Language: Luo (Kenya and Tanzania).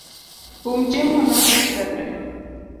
Um chiemo no kik kethre